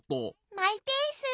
マイペース。